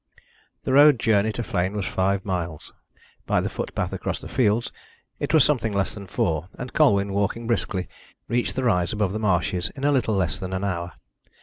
The road journey to Flegne was five miles. By the footpath across the fields it was something less than four, and Colwyn, walking briskly, reached the rise above the marshes in a little less than an hour.